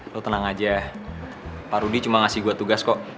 lo tenang aja pak rudi cuma ngasih buat tugas kok